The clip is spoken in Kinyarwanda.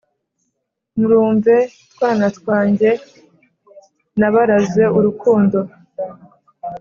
murumve twana twanjye nabaraze urukundo